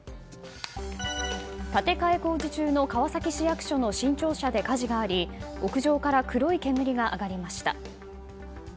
建て替え工事中の川崎市役所の新庁舎で火事があり屋上から黒い煙が上がりました。